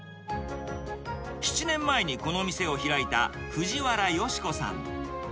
７年前にこの店を開いた藤原好子さん。